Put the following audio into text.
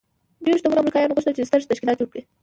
ډېرو شتمنو امریکایانو غوښتل چې ستر تشکیلات جوړ کړي